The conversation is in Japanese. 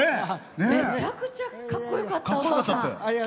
めちゃくちゃかっこよかったおとうさん。